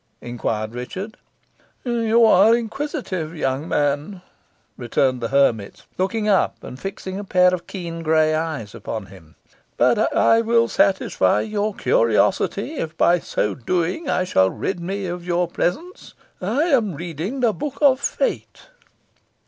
inquired Richard. "You are inquisitive, young man," returned the hermit, looking up and fixing a pair of keen grey eyes upon him. "But I will satisfy your curiosity, if by so doing I shall rid me of your presence. I am reading the Book of Fate."